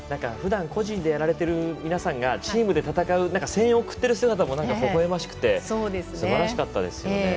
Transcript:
ふだん個人でやられている皆さんがチームで戦う声援を送っている姿もほほえましくてすばらしかったですよね。